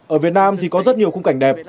ở việt nam thì có rất nhiều khung cảnh đẹp